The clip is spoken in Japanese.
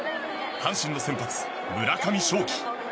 阪神の先発、村上頌樹。